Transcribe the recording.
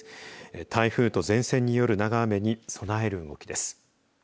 台風と前線による長雨に備える動きです。